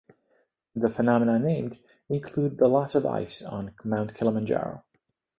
The phenomena named include the loss of ice on Mount Kilimanjaro.